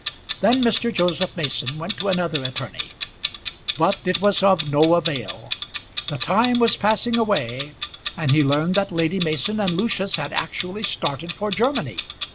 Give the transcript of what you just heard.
Then Mr. Joseph Mason went to another attorney; but it was of no avail. The time was passing away, and he learned that Lady Mason and Lucius had actually started for Germany.